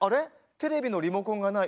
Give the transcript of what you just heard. テレビのリモコンがない。